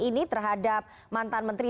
ini terhadap mantan menteri